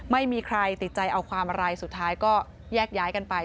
ไม่มีใครติดใจเอาความอะไรสุดท้ายก็แยกย้ายกันไป